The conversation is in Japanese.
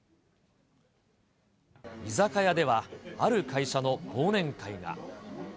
居酒屋では、ある会社の忘年会が。